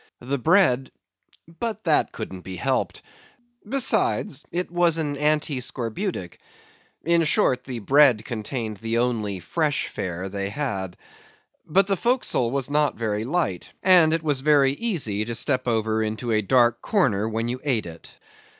The bread—but that couldn't be helped; besides, it was an anti scorbutic; in short, the bread contained the only fresh fare they had. But the forecastle was not very light, and it was very easy to step over into a dark corner when you ate it.